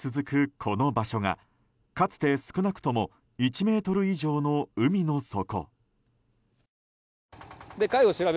この場所がかつて少なくとも１ｍ以上の海の底。